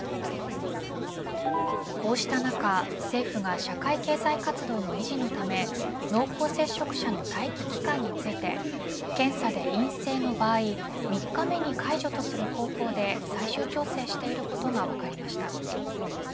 こうした中、政府が社会経済活動の維持のため濃厚接触者の待機期間について検査で陰性の場合３日目に解除とする方向で最終調整していることが分かりました。